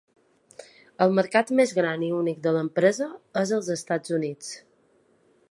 El mercat més gran i únic de l'empresa és els Estats Units.